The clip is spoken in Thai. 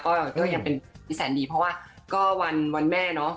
ก็ยังเป็นนิสัยดีเพราะว่าก็วันแม่เนาะ